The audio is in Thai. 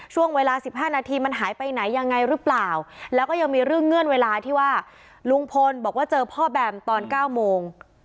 ช่วงเวลาสิบห้านาทีมันหายไปไหนยังไงหรือเปล่าแล้วก็ยังมีเรื่องเงื่อนเวลาที่ว่าลุงพลบอกว่าเจอพ่อแบมตอน๙โมง